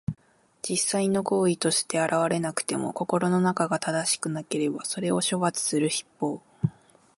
実際の行為として現れなくても、心の中が正しくなければ、それを処罰する筆法。